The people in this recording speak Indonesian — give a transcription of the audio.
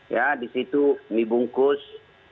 ya disitu mie bungkus dua